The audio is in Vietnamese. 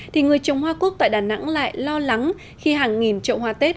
thì người trồng hoa cúc tại đà nẵng lại lo lắng khi hàng nghìn trậu hoa tết